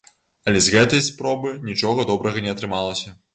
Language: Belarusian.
Але з гэтай спробы нічога добрага не атрымалася.